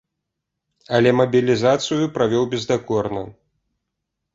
Але мабілізацыю правёў бездакорна.